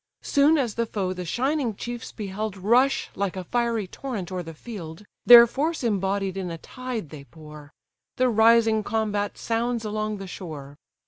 Soon as the foe the shining chiefs beheld Rush like a fiery torrent o'er the field, Their force embodied in a tide they pour; The rising combat sounds along the shore.